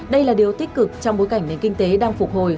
đây là điều tích cực trong bối cảnh nền kinh tế đang phục hồi